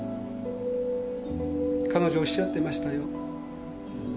彼女おっしゃってましたよ。